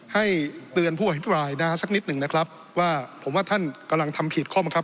ให้เตือนผู้อภิปรายนะสักนิดหนึ่งนะครับว่าผมว่าท่านกำลังทำผิดข้อบังคับ